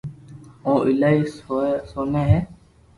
او ايلائي سوٺي ھي